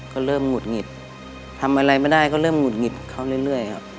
ก็เริ่มหงุดหงิดทำอะไรไม่ได้ก็เริ่มหุดหงิดเขาเรื่อยครับ